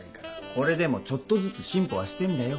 これでもちょっとずつ進歩はしてんだよ。